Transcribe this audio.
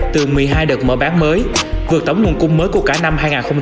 từ một mươi hai đợt mở bán mới vượt tổng nguồn cung mới của cả năm hai nghìn hai mươi